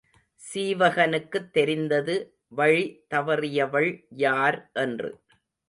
சீவகனுக்குத் தெரிந்தது வழி தவறியவள் யார் என்று.